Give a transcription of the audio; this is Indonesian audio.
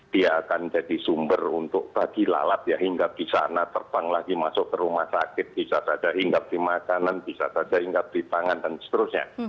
dia akan jadi sumber untuk bagi lalat ya hingga di sana terbang lagi masuk ke rumah sakit bisa saja hinggap di makanan bisa saja hingga beli tangan dan seterusnya